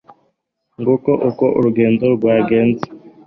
nguko uko urugendo rwagenze